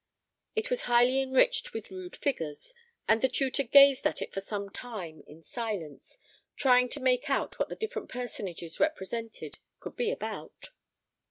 It was highly enriched with rude figures; and the tutor gazed at it for some time in silence, trying to make out what the different personages represented could be about.